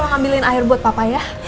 tolong ambilin air buat papa ya